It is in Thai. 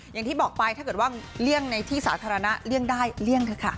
อย่างที่บอกไปถ้าเกิดว่าเลี่ยงในที่สาธารณะเลี่ยงได้เลี่ยงเถอะค่ะ